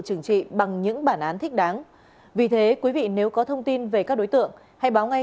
trừng trị bằng những bản án thích đáng vì thế quý vị nếu có thông tin về các đối tượng hãy báo ngay